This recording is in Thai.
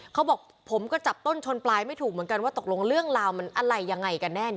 เขาบอกผมก็จับต้นชนปลายไม่ถูกเหมือนกันว่าตกลงเรื่องราวมันอะไรยังไงกันแน่